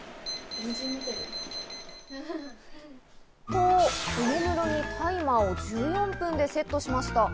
と、おもむろにタイマ−を１４分でセットしました。